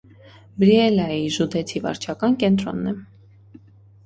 Բրեիլայի ժուդեցի վարչական կենտրոնն է։